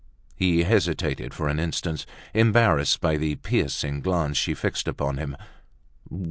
He hesitated for an instant, embarrassed by the piercing glance she fixed upon him.